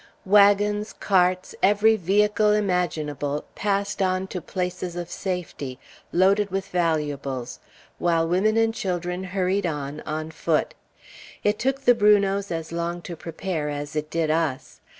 Wagons, carts, every vehicle imaginable, passed on to places of safety, loaded with valuables, while women and children hurried on, on foot. It took the Brunots as long to prepare as it did us.